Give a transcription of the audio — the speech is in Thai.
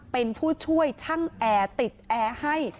เป็นผู้ช่วยช่างแอร์ติดแอร์ให้